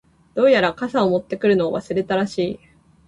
•どうやら、傘を持ってくるのを忘れたらしい。